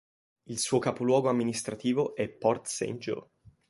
Il suo capoluogo amministrativo è Port St. Joe.